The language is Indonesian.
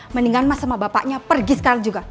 mendingan mas sama bapaknya pergi sekarang juga